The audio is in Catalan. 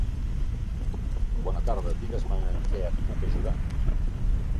Bona tarda, digues-me amb què et puc ajudar.